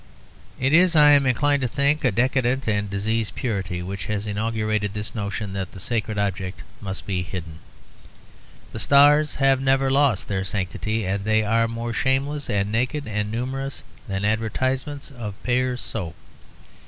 It is, I am inclined to think, a decadent and diseased purity which has inaugurated this notion that the sacred object must be hidden. The stars have never lost their sanctity, and they are more shameless and naked and numerous than advertisements of Pears' soap.